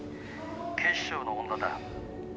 ☎警視庁の恩田だ。